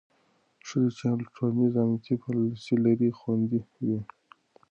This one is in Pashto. ښځې چې ټولنیز امنیتي پالیسۍ لري، خوندي وي.